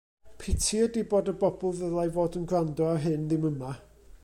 Piti ydi bod y bobl ddylai fod yn gwrando ar hyn ddim yma.